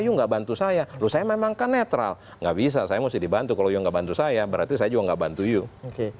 kalau saya gak bantu saya loh saya memang kan netral gak bisa saya mesti dibantu kalau yuk gak bantu saya berarti saya juga gak bantu yuk